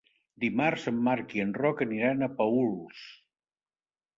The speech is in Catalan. Dimarts en Marc i en Roc aniran a Paüls.